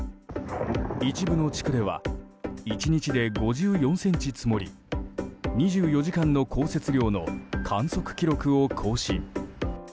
一部の地区では１日で５４ｃｍ積もり２４時間の降雪量の観測記録を更新。